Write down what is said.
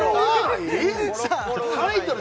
タイトル